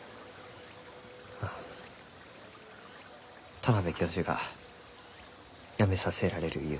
田邊教授が辞めさせられるゆうて。